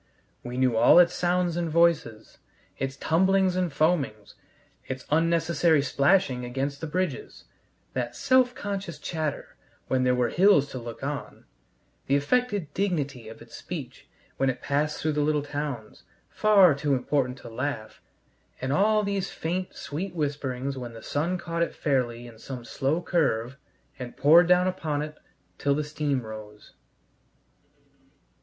We knew all its sounds and voices, its tumblings and foamings, its unnecessary splashing against the bridges; that self conscious chatter when there were hills to look on; the affected dignity of its speech when it passed through the little towns, far too important to laugh; and all these faint, sweet whisperings when the sun caught it fairly in some slow curve and poured down upon it till the steam rose.